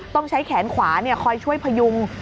ต้องใช้แขนขวาคอยช่วยพยุง